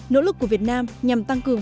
nỗ lực của việt nam nhằm tăng cường